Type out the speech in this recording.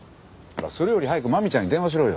それより早くマミちゃんに電話しろよ。